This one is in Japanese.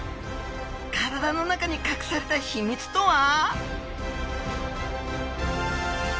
体の中にかくされた秘密とは！？